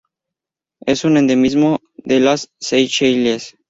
Es un endemismo de las Seychelles.